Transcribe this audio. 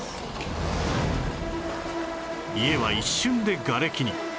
家は一瞬でがれきに